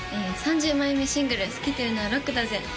３０枚目シングル「好きというのはロックだぜ！」